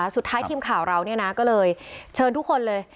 สุดท้ายทีมข่าวเราก็เลยเชิญทุกคนเลย